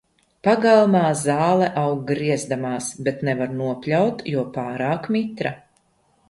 Pagalmā zāle aug griezdamās, bet nevar nopļaut, jo pārāk mitra.